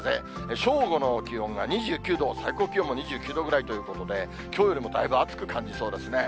正午の気温が２９度、最高気温も２９度ぐらいということで、きょうよりもだいぶ暑く感じそうですね。